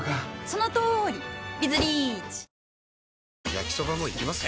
焼きソバもいきます？